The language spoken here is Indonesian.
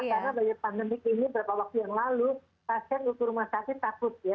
karena banyak pandemi ini beberapa waktu yang lalu pasien di rumah sakit takut ya